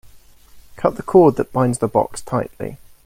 Cut the cord that binds the box tightly.